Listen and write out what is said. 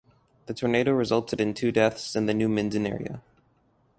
The tornado resulted in two deaths in the New Minden area.